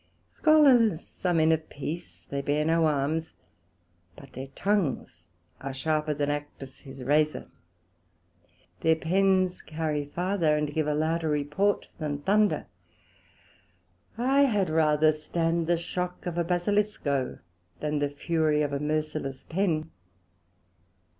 Scholars are men of Peace, they bear no Arms, but their tongues are sharper than Actus his razor; their Pens carry farther, and give a lowder report than Thunder: I had rather stand the shock of a Basilisco, than the fury of a merciless Pen.